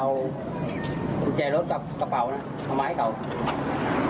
เอากุญแจรถกับกระเป๋านะเอามาให้เขา